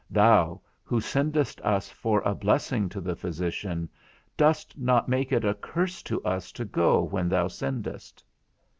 Thou, who sendest us for a blessing to the physician, dost not make it a curse to us to go when thou sendest.